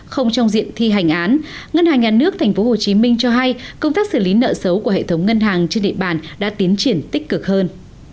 không trong diện thi hành án ngân hàng nhà nước tp hcm cho hay công tác xử lý nợ xấu của hệ thống ngân hàng trên địa bàn đã tiến triển tích cực hơn